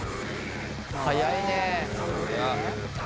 早いね。